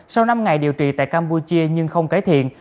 sau năm ngày điều trị tại campuchia nhưng không cải thiện